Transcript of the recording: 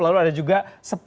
lalu ada juga sepuluh atlet